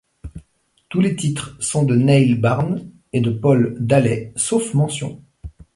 Tous les titres sont de Neil Barnes et Paul Daley, sauf mentions.